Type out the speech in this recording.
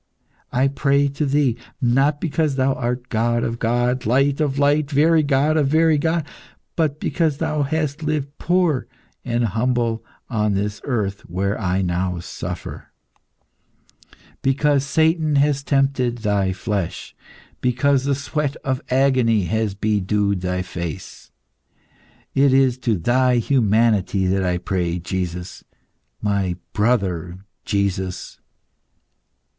I pray to Thee, not because Thou art God of God, Light of light, very God of very God, but because Thou hast lived poor and humble on this earth where now I suffer, because Satan has tempted Thy flesh, because the sweat of agony has bedewed Thy face. It is to Thy humanity that I pray, Jesus, my brother Jesus!"